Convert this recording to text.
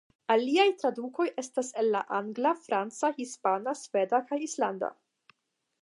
Aliaj tradukoj estas el la angla, franca, hispana, sveda kaj islanda.